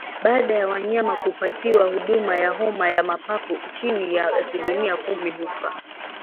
Baada ya wanyama kupatiwa huduma ya homa ya mapafu chini ya asilimia kumi hufa